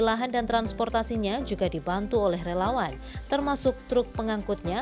lahan dan transportasinya juga dibantu oleh relawan termasuk truk pengangkutnya